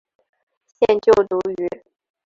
现就读于。